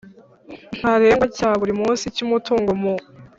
ntarengwa cya buri munsi cy umutungo mu